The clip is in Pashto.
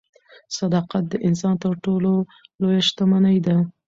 صداقت د انسان تر ټولو لویه شتمني ده.